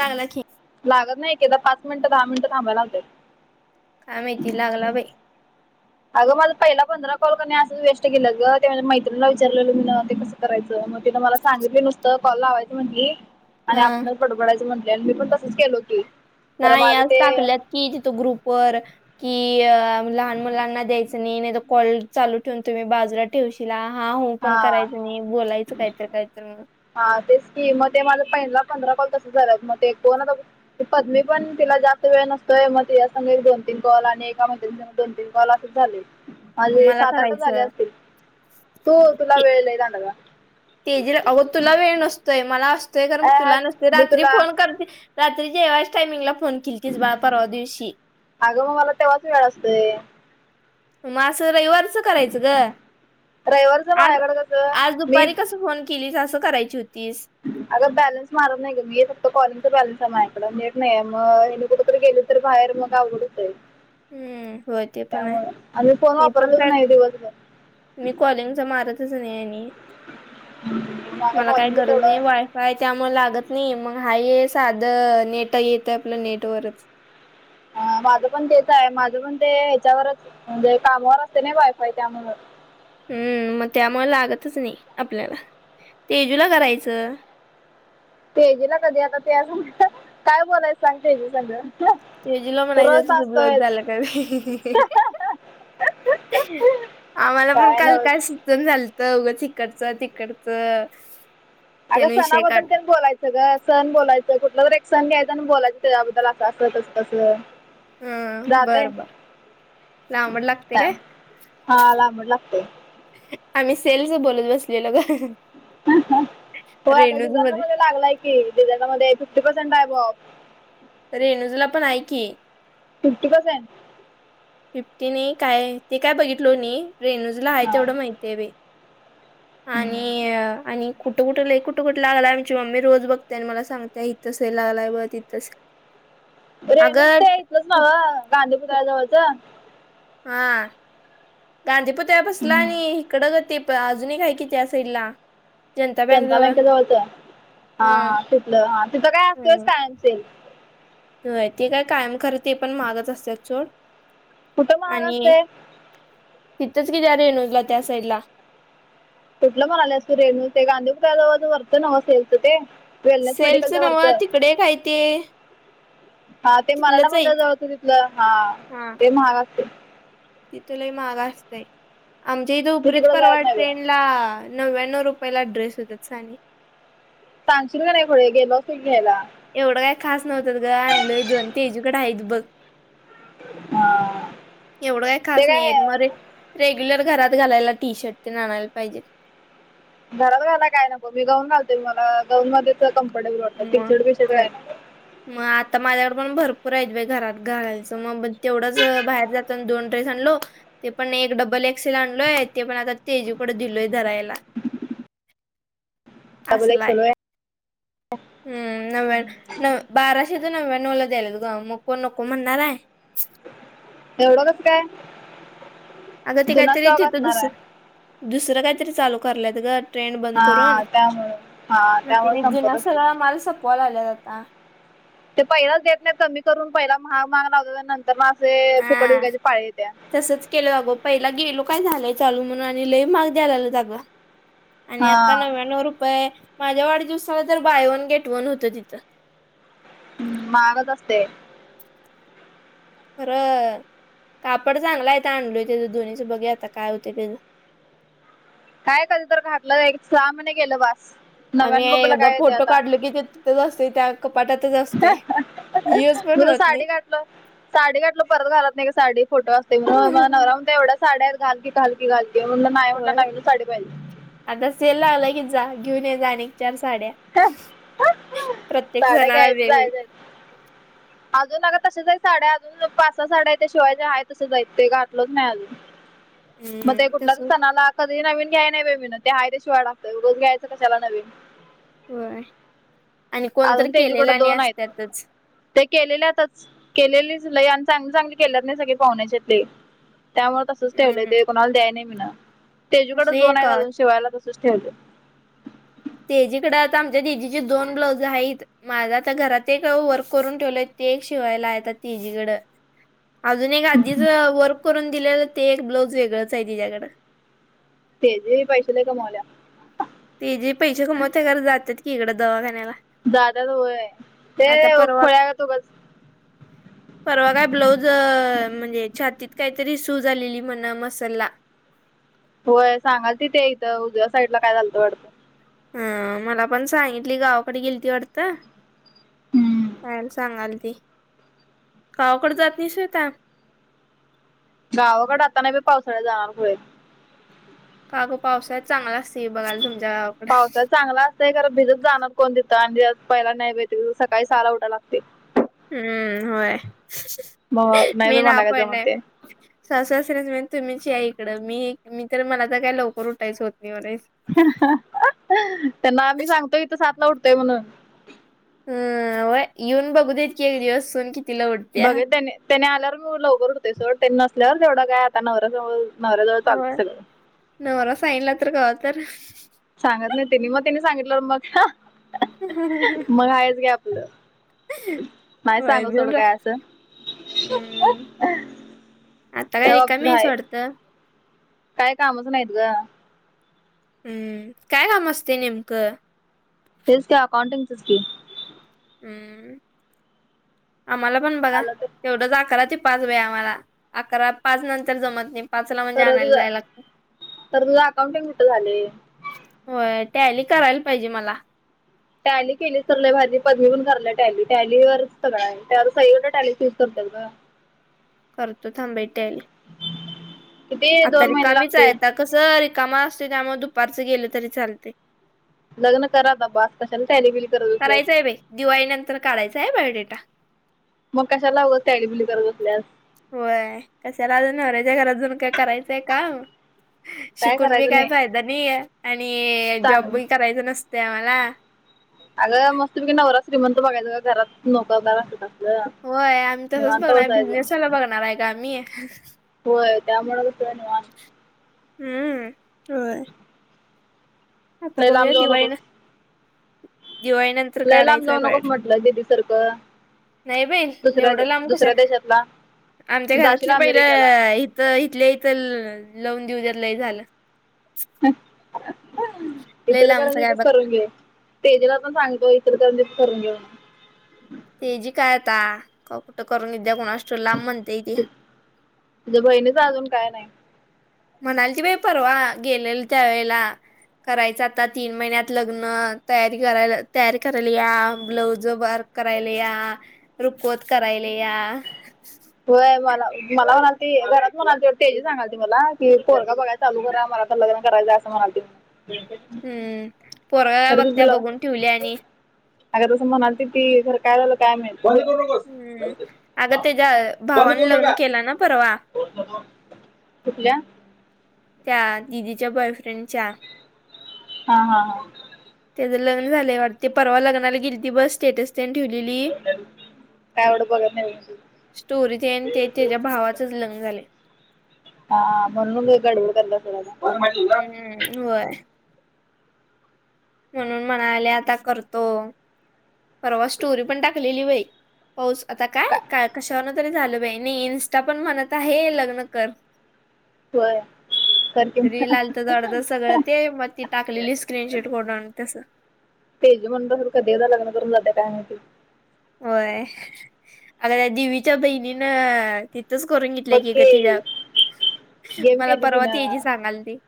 चगलाठी लागत नाही एकदा पाच मिनटं दहा मिनटं थांबायला लागते काय माहिती लागला बाई अगं माझा पहिला पंधरा कॉल कर असं वेस्ट केलं ग ते मैत्रीणीला विचारलेलं मी ते कस करायचं मग तिनं मला सांगितली नुसतं कॉल लावायची म्हंटली आणि हा आपणच बडबडायचं म्हटले आणि मी पण तसच गेलो होती नाही आज टाकल्यात कि तिथं ग्रुपवर कि अ लहान मुलांना द्यायचं नाही नाही तर कॉल चालू ठेवून तुम्ही बाजारात ठेशीला हा हो पण हा करायचं नाही बोलायचं काहीतरी काहीत म्हण हा तेच ककी मग ते माझ्या पहिनला पंधरा पल तसं झालंत मग ते कोण आता पद्मी पण तिला जास्त वेळ नसतोय मग ति संग दोन तीन कॉल आणि एका मै दोन तीन कॉल असच झाले माझे मला सात आठच झाले करायचं. असतील तू तुला वेळला जाणारला तेजी अगं तुला वेळ नसतोय मला असतोय कारण म अय हट तुला नसत मी रात्री तुला फोन करते रात्रीच्या एव्याच टायमिंगला फोन केली कीस बा परवा दिवशी अगं मग मला तेव्हाच वेळ असते म असं रविवारच करायचं ग रविवारच आज माझ्याकडे कसं आज मी दुपारी कस फोन केली असं करायची होती अगं बॅलन्स मारत नाही का मी फक्त कॉलिंगच बॅलन्स आहे माझकडीट नाही मग हे कुठेतरी गेले तर बाहेर मग आवडत आहे हम्म होय ते पण आहे त्यामुळे आणि फोन मी पण वापरतच काय नाही दिवसभर मी कॉलिंगचा मारतच नाही आणि माझं मला काही कॉलिंग गरज नाही तेवढं वाय काय त्यामुळे लागत नाही मग हाय आहे साधं नेट येत आपलं नेटवरच ह माझं पण तेच आहे माझं पण ते ह्याच्यावरच म्हणजे कामावर असते नाही वायफाय त्यामु हम्म मग त्यामुळे लागतच नाही आपल्याला तेजूला करायचं तेजेला कधी आता ते काय बोलायचं सांग तेजे सगळं तेजूला र म्हणायचं तुझं ब्लाऊज असतोयच झालं का बे आम्हाला पण काल काय सुचून झालत उघं तिकडचं तिकडचं अग त्याने विषय सणाबदल काढ त्यां बोलायच सगळं सण बोलायचं कुठलं जरी एक सण घ्यायचं आणि बोलायचं त्याच्याबद्दल अस अस तस तसं हम जाते बर बर लांबड लागते काय हा लांबड लागते आम्ही सेलस बोलत बसलेलो का हो आता डिझान मध्ये लागलाय की डिझान मध्ये फिफ्टी पर्सेंट आहे ब रेणूजूला पण ऐ की फिफ्टी पर्सेंट फिफ्टी नाही काय ते काय बघितल नाही रेनूजला आहे हा तेवढं माहतीय ब आणि आणि कुठं कुठे ल कुठं कुठे लागलायमची मम्मी रोज बघतेय आणि मला सगते तिथं लागय ब तिथं रेणूच अगं ते इथलंच खूप- नवं गांधीपत्रा जवळच हा गांधीपत्या बसला आणि इकडं ग ते अजून काय की त्या साईड ला जनता बँके जवळचं हा हा तिथलं हा तिथं काय असतोयच कायमसेेल य ते काय कायम खरं ते पण महागच असतात सोड, कुठं महाग आणि असते तिथंच की त्या रेणूला त्या साईड ला. कुठलं म्हणालेस तु रेणू? ते गांधी [unintelligible] सेलच न्हवं ते? वेलनेस सेलचं मेडिकलचं नव्हं वरचं तिकडं एक हाय ते हा ते मराठा तिथलंच आहे मंदरच जवळचं तिथलं, हा हा ते महाग असते. तिथं लय महाग असतंय, आमच्या इथं मी उपरीत तिकडं जायत नाही बाई परवडतंय. ला नव्याण्णव रुपय ला ड्रेस येतात साने. सांगशील का नाय खुळे, गेलो असतो की घेयला. एवढं काही खास नव्हतेत ग, आणलोय दोन, तेजुकडे आहेत बघ. हा एवढं काय ते खास नाहीए, एक मर हे रेग्युलर घरात घालायला टी शर्ट तेन आणायला पाहिजेत. घरात घालाय काय नको, मी गाऊन घालते मला गाऊनमध्येच कम्फर्टेबल वाटतं, टी शर्ट बी शर्ट काय नाय. मग आता माझ्याकडं पण भरपूर आहेत बाई घरात घालायचं, मग ब तेवढंच बाहेर जात तन दोन ड्रेस आणलो. ते पण एक डबल एक्सेल आणलोय, ते पण आता तेजुकडं दिलोय धरायला. डबल एक्स असलाय एल होय? हम्म, नव्याण नव बाराशेच नव्याण्णवला द्यायलेत गं, म कोण नको म्हणणार आहे. एवढं कसं काय? अगं ते जुना काहीतरी स्टॉक तिथं असणार दुस आहे दुसरं काहीतरी चालू करालेत गं. ट्रेंड बंद करून, हा त्यामुळे हा मग त्यामुळे तिने संपत जुना असते सगळा माल सपवाय लागलेत आता. ते पहिलाच देत नाही कमी करून, पहिला महाग महाग लावतेत अन नंतर म असे फुकट विकायचे पाळी येत्या. तसच केलंय अगो, पहिला गेलो काय झालंय चालू, म्हणून आणि लय महाग द्यायला लागलेत आगं. आणि हा आता नव्याण्णव रुपये, माझ्या वाढदिवसाला तर बायवन गेटवन होतं तिथं. म महागच असते. खरं, कापड चांगला आहेेत आणलोय त्यां दोन्हीचं बघूया आता काय होते त्यां काय कधी तर घातलं नाय की, एक सहा महिने गेलं बास. आम्ही नव्याण्णव रुपयाला एकदा काय येते फोटो आता काढलो की ते तिथच असते, त्या कपाटातच असते. मी तर साडी घातलो साडी घातलो परत घालत नाही ग, साडीव फोटो असतोय म्हणून, मला नवरा होय. म्हणतोय एवढ्या साड्याच घाल की घाल की घाल की म्हणलं, नाही म्हटलं नवीनच साडी पाहिजे. आता सेल लागलाय की जा, घेऊन ये जा आणिक चार साड्या. प्रत्येक साड्या सणाला घ्यायचं वेगवेग [inaudible] अजून अग तशाच हायत साड्या, अजून पाच सहा साड्या आहेत, त्या शिवायच्या आहेत तसच हायत, ते घातलोच नाही अजून. मग ते हम्म कुठला तर तसच सणाला कधी नवीन घ्याय नाही बया मिनं, ते हायत त्या शिवाय टाकतोय, उगच घ्यायचं कशाला नवीन. होय, आणि कोणतर अजून केलेला त्याच्याकडे आणि दोन आहेत असतेतच. ते केलेल्यातच, केलेलीच लय आणि चांगली चांगली केलेत नाही सगळे पाहुण्याच्यातले, त्यामुळे तसच ठेवलंय, हम्म ते कोणाला द्याय नाही मिनं, तेजूकडच असे दोन आहे का अजून शिवायला तसच ठेवलंय. तेजीकडे आता आमच्या जिजीची दोन ब्लाउज आहेत. माझा आता घरात एक वर्क करून ठेवलंय, ते एक शिवायला आहेत तिजीकडं. अजून एक आधीच वर्क करून दिलेलं ते एक ब्लाऊज वेगळंच आहे तिच्याकडं. तेजे पैसे लय कमवाल्या. तेजे पैसे कमवते खरं, जातात की इकडं दवाखान्याला. जात्यात होय, ते आता परवा खुळ्यागत उगाच परवा काय ब्लाऊज, म्हणजे छातीत काहीतरी सुज आलेली म्हण मसलला. होय सांगालती ते एकद उजव्या साईडला काहीतरी झालतं वाटतं. हम्म, मला पण सांगितली गावाकडे गेलती वाटतं. हम्म पायल सांगालती, गावाकडे जातीस व्हय आता? गावाकडे आता नाही बी, पावसाळ्यात जाणार होय. काग पावसात चांगला असतील बघायला तुमच्या पावसा चांगला असतय खरं भिजत जाणार कोण दथं आणि पहिला नाही भेते सकाळी सहाला उठाय लागत. हम्म होय मग नाही मी बाई मला नाण काय पण नाही. जमत ते सासू-सासर्‍यांना म्हणायचं तुम्ही ते इकडे मला तर काय लवकर उठायचं होत नाही. त्यांना आम्ही सांगतोय इथ सातला उठतोय म्हणून ह व्हयं येऊन बघू देत की एक दिवस सून कि तिला उठते. बघ त्याने त्याने आल्यावर मी लवकर उठते सोड त्यांनी नसल्यावर तेवढं काय आता नवऱ्याजवळ नवऱ्याजवळ होय चालते सगळं नवरा सांगितला तर [unintelligible] सांगत नाही तेनी मग तिने सांगितलंवर मग मग आहेच की आपलं नाही होय सांगू सोडं भिऊन राह काय असं हम्म आता त्या बाबतीत रिकामी आहेस हाय वाटतं. काय कामच नाहीत ग, हम्म काय काम असते नेमकं. तेच का अकाउंटिंग च च की, हम्म आम्हाला पण बघा आलं तर तेवढंच अकरा ते पाच वेळ आम्हाला अकरा पाच नंतर जमत नाही. पाचला म्हणजे तर तुझ आणायला जायला लागतं तर तुझं अकाउंटिंग कुठ झालं. होय टॅली करायला पाहिजे मला टॅली केलीस तर लई भारी पदमी पण करायला लागली टॅली, टॅली वर सगळं आहे. सगळी कडे टॅलीच युज करतात गं. करतो थांब बाई टॅली किती आता दोन महिने रिकामीच आहे. लागतील कसं रिकामा असते त्यामुळे दुपारचं गेलं तरी चालते. लग्न कर आता बास कशाला टेली बिली करत बसले. करायचं आहे बाई दिवाळी नंतर काढायचा आहे बायोडेटा मग कशाला उगाच टॅली बिली करत बसलीयास. होय कशाला अ नवऱ्याच्या घरातजून काय करायचंय काम शिकून बी करायचं काय नाही फायदा नाही आणि जॉब चांगलं बी करायच नसत आम्हाला अगं मस्त पैकी नवरा श्रीमंत बघायचं का घरात नोकरदार अस होय आम्ही तसंच बघणार बिझनेसवाला बघणार आहे गं आम्ही होय त्यामुळेच हम्म होय. आता लय लांब बघुया जाऊ दिवाळी ना नकोस दिवाळी नंतर लय लांब काढायचा जाऊ नकोस बायोडेटा म्हटलं दिदी सारखं नाही बई दुसऱ्या एवड लांब कशा दुसऱ्या देशातला आमच्या जाशील घरातली अमेरिकेला पहिलं तर इथल्या इथ लावून देऊ देत लय झालं. लय लांबच इचलकरंजीत काय च बघता करुन घे. तेेजूला पण सांगतो इचलकरंजीत करून घेऊ तेजी काय आता कुठं करून येत्या कोणास ठाऊक लांब म्हणते ती तुझ्या बहिणीचा अजून काही नाही. म्हणाल की बाई परवा गेलेल त्यावेेळेला. करायच आता तीन महिन्यात लग्न तयारी करायला तयार करायला या ब्लाऊज वर्क करायले या, रुखवत करायले या होय मला मला म्हणाल ती घरात म्हणाल त तेजी सांगाली मला पोरगा बागयच चालू करा. मला आता लग्न करायचे असं म्हणाल ती हम्म पोरगा बघत्या बघून ठेवल्या आणि अग तसं म्हणाल ती खरं काय झालं काय माहित हम्म अगं त्याच्या भावाने लग्न केलं ना परवा कुठल्या? त्या दिदीच्या बॉयफ्रेंडच्या हा हा हा त्याचं लग्न झालंयवर ते परवा लग्नाला गेली ती बस स्टेटस त्यांनी ठेवलेली. काय एवढं बघत नाही स्टोरी ते आणि ते त्याच्या भावाचच लग्न झाले. हा म्हणून गडबड कर ोड. हम्म होय. म्हणून म्हणाले आता करतो परवा स्टोरी पण टाकलेली बाई. होस आता काय कशावरन तरी झाल बा नाही इन्स्टा पण म्हणत आहे लग्न कर. होर. रिील आल तर जड तर सगळं ते मग ती टाकलेली स्क्रीनशॉट कोडून तस भेज म्हण तर कधीदा लग करून लाग्या पाये. होय अगद्या दिवीच्या बहिणीन च करून घेतलं की ग तिच्या गेम मला केली परवा त जी सांगाल ती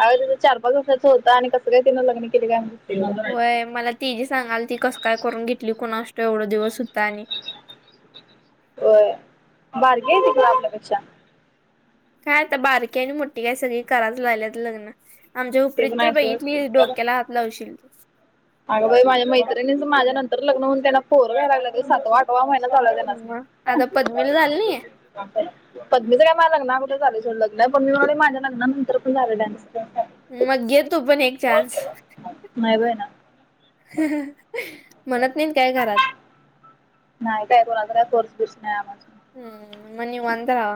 अग तं चार पाच वर्षाचं होता आणि कसं कायिन ल्न केलं काय म्ह वय मला ती जी सांगाल ती कसं काय करून घेतली कोुणा असतो एवढा दिवस होता आणि होय बारगे तिकला आपल्यापेक्षा काय आता बारकी आणि मोठी काय सगळी कराच लाहिल्यात लग्न. आमच्या ते पण उपरत तर आहे सोड बईतली डोक्याला हात लावशील त. अगं बाई माझ्या मैत्रिणीच माझ्या नंतर लग्न त्यांना पोर व्याय लाग सात वाट. सवा महिना चालूनास म मग आता पद्मीला झालं नाही पद्मी ज मा लग्नामध्ये झा सोड लग्न पण मी माझ्या लग्नानंतर पण झालं डान्स. मग घेतो पण एक चान्स नाही ब आहे ना. म्हणत नाही काय घरात? नाही काय कोणाय कोर्स दिस नाही आम हम्म मव अंत रा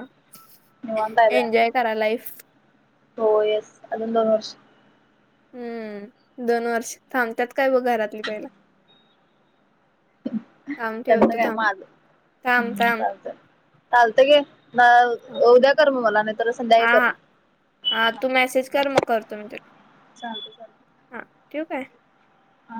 निवांत आहे बाई एंजॉय करा लाईफ हो येस अून दोन वर्ष हम्म दोन वर्ष थांबतत काय ब घरातली पहिला थांब त्यांचं ठेवतो काय थांब. माझ थांब हम् थांब चालत. चालतं गे ना उद्या कर मग मला नाही तर संध्याकाळी हां कर. हां हां तू मेसेज कर मग करतो मी तुला चालतंय हां ठेऊ काय? ह.